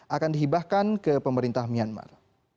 akan dihibahkan ke pemerintah myanmar